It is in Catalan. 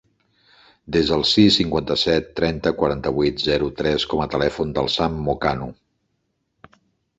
Desa el sis, cinquanta-set, trenta, quaranta-vuit, zero, tres com a telèfon del Sam Mocanu.